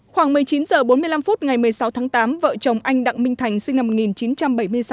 khoảng một mươi chín h bốn mươi năm phút ngày một mươi sáu tháng tám vợ chồng anh đặng minh thành sinh năm một nghìn chín trăm bảy mươi sáu